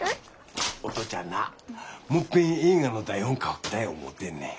お父ちゃんなもっぺん映画の台本書きたい思うてんねん。